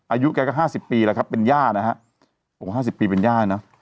อายุแกก็๕๐ปีแล้วครับเป็นย่านะฮะ๖๕๐ปีเป็นย่านะ